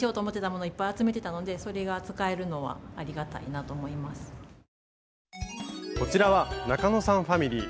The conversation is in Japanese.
捨てないけどこちらは中野さんファミリー。